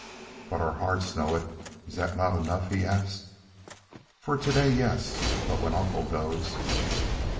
"But our hearts know it. Is that not enough?" he asked. "For to day, yes. But when uncle goes...."